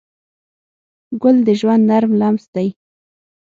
ګل د ژوند نرم لمس دی.